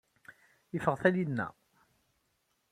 Ifeɣ Taninna.